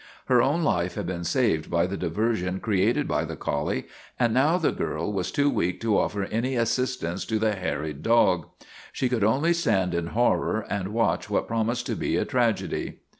Her own life had been saved by the diversion cre ated by the collie, and now the girl was too weak to offer any assistance to the harried dog. She could only stand in horror and watch what promised to be a tragedy.